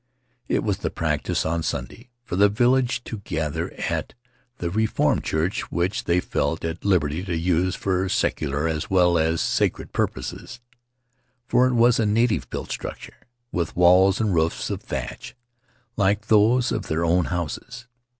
It was the practice, on Sunday, for the village to gather at the Reformed church, which they felt at liberty to use for secular as well as for sacred purposes, for it was a native built structure, with walls and roof of thatch, like those of their own houses.